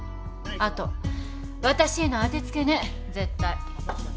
あと私への当て付けね絶対。